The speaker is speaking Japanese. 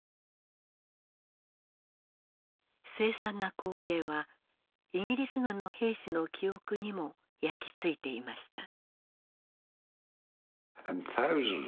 凄惨な光景はイギリス軍の兵士の記憶にも焼き付いていました。